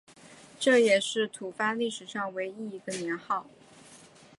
这也是吐蕃历史上唯一一个年号。